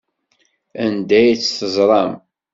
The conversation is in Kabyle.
Anda ay tt-teẓram?